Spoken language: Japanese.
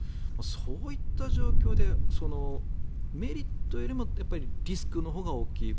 そういった状況でメリットよりもリスクのほうが大きい。